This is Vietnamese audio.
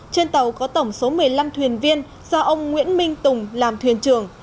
trên tàu có tổng số một mươi năm thuyền viên do ông nguyễn minh tùng làm thuyền trưởng